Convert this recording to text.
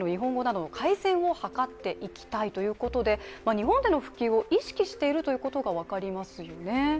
日本での普及を意識しているということが分かりますよね。